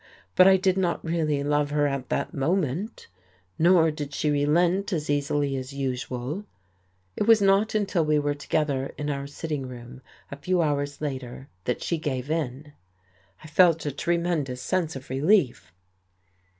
But I did not really love her at that moment; nor did she relent as easily as usual. It was not until we were together in our sitting room, a few hours later, that she gave in. I felt a tremendous sense of relief.